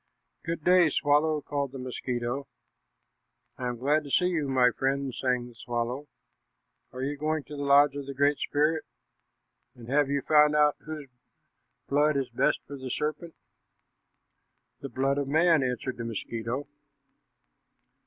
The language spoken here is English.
"Good day, swallow," called the mosquito. "I am glad to see you, my friend," sang the swallow. "Are you going to the lodge of the Great Spirit? And have you found out whose blood is best for the serpent?" "The blood of man," answered the mosquito.